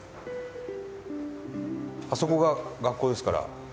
あそこが学校ですから。